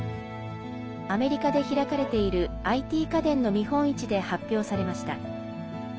アメリカで開かれているＩＴ家電の見本市で発表されました。